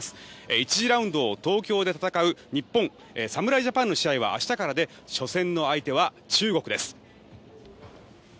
１次ラウンドを東京で戦う日本、侍ジャパンの試合は明日からで初戦の相手は中国です。